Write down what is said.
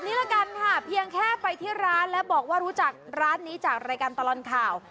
ละกันค่ะเพียงแค่ไปที่ร้านแล้วบอกว่ารู้จักร้านนี้จากรายการตลอดข่าว